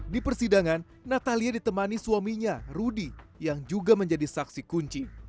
di persidangan natalia ditemani suaminya rudy yang juga menjadi saksi kunci